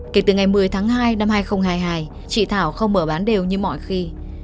kể từ ngày một mươi tháng hai năm hai nghìn hai mươi hai chị thảo không mở bán đều như mọi khi